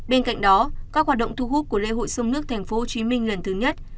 bên cạnh đó các hoạt động thu hút của lễ hội sông nước thành phố hồ chí minh lần thứ nhất